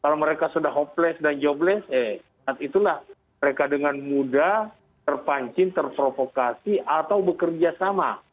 kalau mereka sudah hopeless dan jobless eh saat itulah mereka dengan mudah terpancing terprovokasi atau bekerja sama